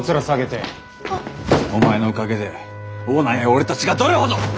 お前のおかげでオーナーや俺たちがどれほど。